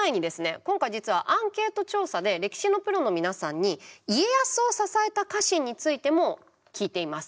今回実はアンケート調査で歴史のプロの皆さんに家康を支えた家臣についても聞いています。